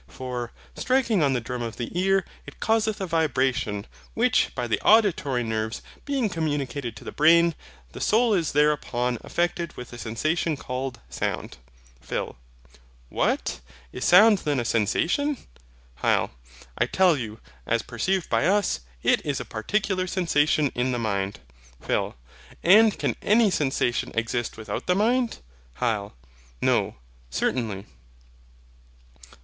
For, striking on the drum of the ear, it causeth a vibration, which by the auditory nerves being communicated to the brain, the soul is thereupon affected with the sensation called SOUND. PHIL. What! is sound then a sensation? HYL. I tell you, as perceived by us, it is a particular sensation in the mind. PHIL. And can any sensation exist without the mind? HYL. No, certainly.